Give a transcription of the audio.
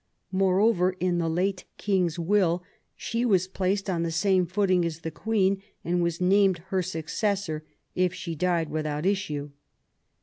Moreover, in the late King's will, she was placed on the same footing as the Queen, and was named her successor, if she died without issue.